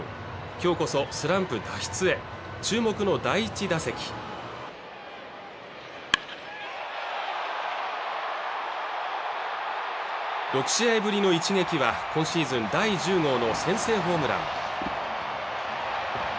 今日こそスランプ脱出へ注目の第１打席６試合ぶりの一撃は今シーズン第１０号の先制ホームラン